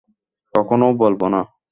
কখনো বলবো না।